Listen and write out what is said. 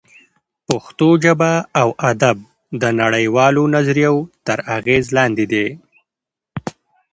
پښتو ژبه او ادب د نړۍ والو نظریو تر اغېز لاندې دی